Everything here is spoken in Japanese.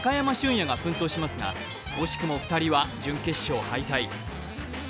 野が奮闘しますが、惜しくも２人は準決勝敗退。